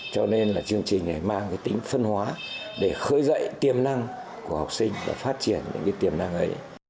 cho nên là chương trình này mang cái tính phân hóa để khơi dậy tiềm năng của học sinh và phát triển những cái tiềm năng ấy